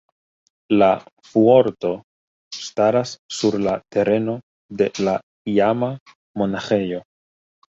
La fuorto staras sur la tereno de la iama monaĥejo.